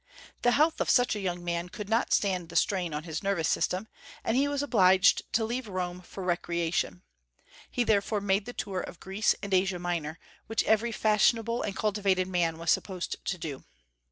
The health of such a young man could not stand the strain on his nervous system, and he was obliged to leave Rome for recreation; he therefore made the tour of Greece and Asia Minor, which every fashionable and cultivated man was supposed to do.